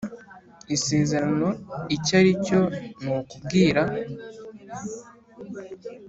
isezerano icyo ari cyo Ni ukubwira